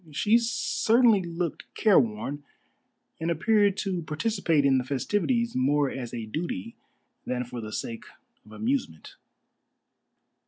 She certainly looked careworn, and appeared to participate in the festivities more as a duty than for the sake of amusement.